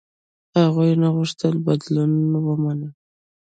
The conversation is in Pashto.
هغوی نه غوښتل بدلون ومني.